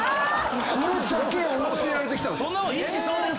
これだけ教えられてきたんです。